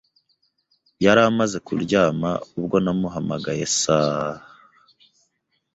Yari amaze kuryama ubwo namuhamagaye saa h